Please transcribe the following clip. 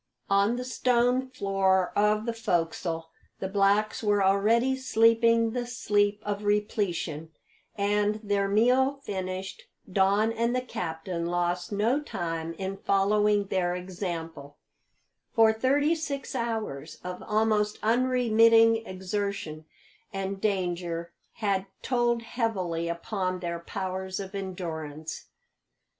On the stone floor of the "fo'csle" the blacks were already sleeping the sleep of repletion; and, their meal finished, Don and the captain lost no time in following their example for thirty six hours of almost unremitting exertion and danger had told heavily upon their powers of endurance.